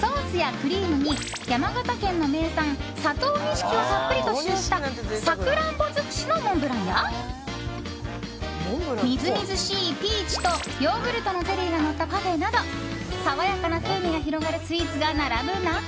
ソースやクリームに山形県の名産佐藤錦をたっぷりと使用したサクランボ尽くしのモンブランやみずみずしいピーチとヨーグルトのゼリーがのったパフェなど爽やかな風味が広がるスイーツが並ぶ中。